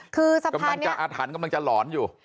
กำลังจะอาถานกำลังจะหลอนอยู่